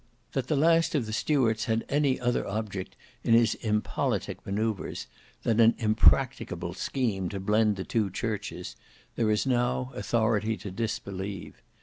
That the last of the Stuarts had any other object in his impolitic manoeuvres, than an impracticable scheme to blend the two churches, there is now authority to disbelieve.